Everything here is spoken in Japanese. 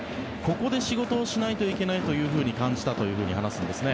ここで仕事をしないといけないと感じたというふうに話すんですね。